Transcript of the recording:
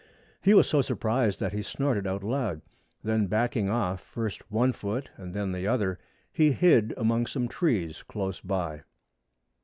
He was so surprised that he snorted out loud. Then backing off, first one foot and then the other, he hid among some trees close by.